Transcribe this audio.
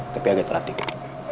tapi agak terlalu tinggi